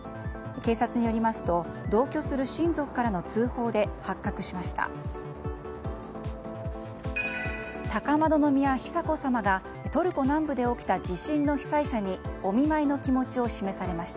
警察によりますと同居する親族からの通報で発覚しました。